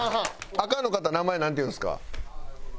赤の方名前なんていうんですか？